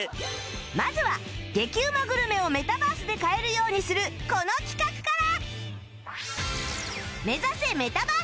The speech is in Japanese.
まずは激うまグルメをメタバースで買えるようにするこの企画から